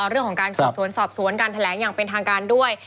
เรื่องของการสอบสวนสอบสวนการแถลงอย่างเป็นทางการด้วย